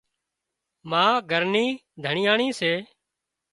ما گھر نِي ڌڻيئاڻي سي